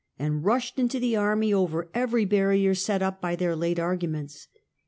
" and ruslied into the army over every barrier set np by their late arguments.